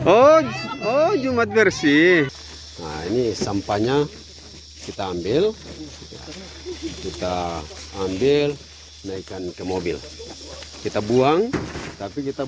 oh jumat bersih nah ini sampahnya kita ambil kita ambil naikkan ke mobil kita buang tapi kita